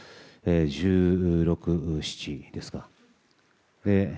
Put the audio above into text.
１６１７ですか。